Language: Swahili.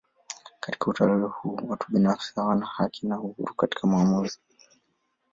Katika utawala huu watu binafsi hawana haki na uhuru katika maamuzi.